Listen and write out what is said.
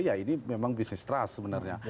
ya ini memang bisnis trust sebenarnya